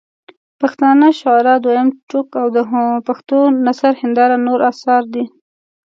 پښتانه شعراء دویم ټوک او د پښټو نثر هنداره نور اثار دي.